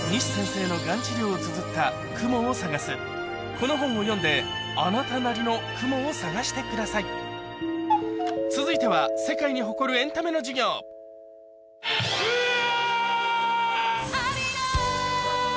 この本を読んであなたなりの続いては世界に誇るエンタメの授業うお！